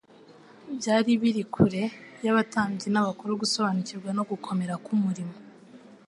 Byari biri kure y’abatambyi n’abakuru gusobanukirwa no gukomera k’umurimo